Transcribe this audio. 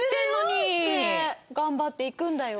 頑張って行くんだよ。